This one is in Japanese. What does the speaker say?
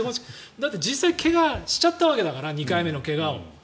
だって、実際怪我しちゃったわけだから２回目の怪我を。